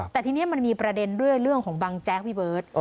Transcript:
แต่ทีนี้มันมีประเด็นด้วยเรื่องของบังแจ๊กพี่เบิร์ต